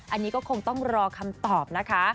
อันนี้ก็คงต้องรอคำตอบนะคะ